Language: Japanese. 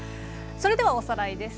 それではおさらいです。